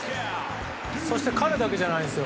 そして彼だけじゃないんです。